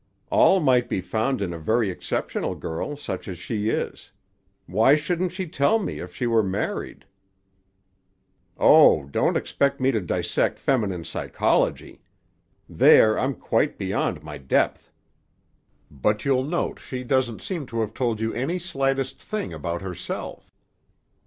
"All might be found in a very exceptional girl, such as she is. Why shouldn't she tell me, if she were married?" "Oh, don't expect me to dissect feminine psychology. There I'm quite beyond my depth. But you'll note she doesn't seem to have told you any slightest thing about herself.